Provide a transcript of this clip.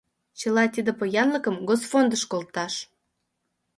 Чыла тиде поянлыкым госфондыш колташ.